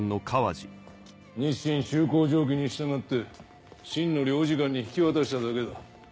日清修好条規に従って清の領事館に引き渡しただけだ。